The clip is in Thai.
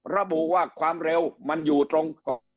ระบุว่าความเร็วมันอยู่ตรงเกาะ